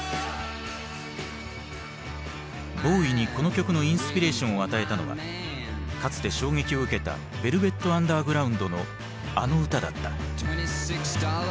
ボウイにこの曲のインスピレーションを与えたのはかつて衝撃を受けたヴェルヴェット・アンダーグラウンドのあの歌だった。